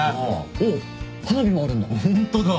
おっ花火もあるんだ。